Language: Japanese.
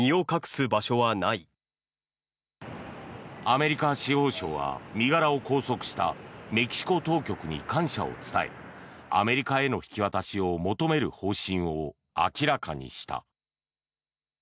アメリカ司法相は身柄を拘束したメキシコ当局に感謝を伝えアメリカへの引き渡しを求める方針を明らかにした。